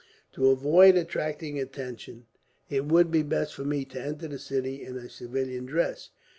To avoid attracting attention, it would be best for me to enter the city in a civilian dress.